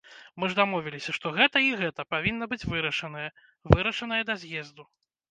Мы ж дамовіліся, што гэта і гэта павінна быць вырашанае, вырашанае да з'езду.